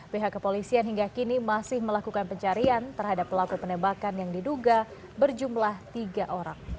pihak kepolisian hingga kini masih melakukan pencarian terhadap pelaku penembakan yang diduga berjumlah tiga orang